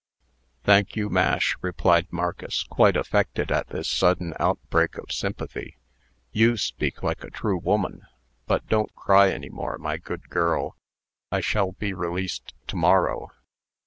"Thank you, Mash," replied Marcus, quite affected at this sudden outbreak of sympathy. "You speak like a true woman. But don't cry any more, my good girl. I shall be released to morrow."